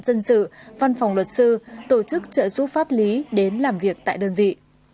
dân sự văn phòng luật sư tổ chức trợ giúp pháp lý đến làm việc tại đơn vị